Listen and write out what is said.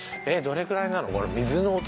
えっどれくらいなの？